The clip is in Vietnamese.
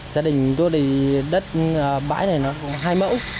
gia đình tôi thì đất bãi này nó hai mẫu